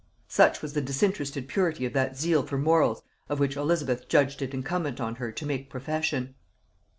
Such was the disinterested purity of that zeal for morals of which Elizabeth judged it incumbent on her to make profession!